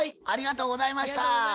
ありがとうございます。